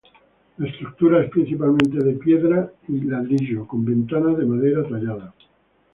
La estructura es principalmente de piedra y ladrillo, con ventanas de madera tallada.